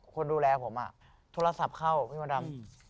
คนดูแลผมโทรศัพท์เข้าพี่มดดำ